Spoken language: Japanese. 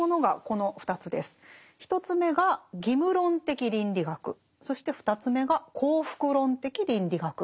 １つ目が「義務論的倫理学」そして２つ目が「幸福論的倫理学」。